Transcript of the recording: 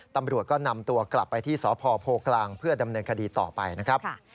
ตำรวจก็นำตัวกลับไปที่สพโพกลางเพื่อดำเนินคดีต่อไปนะครับ